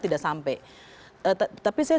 tidak sampai tapi saya